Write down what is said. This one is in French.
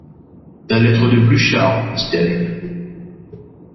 La lettre de Pluchart, dit-elle.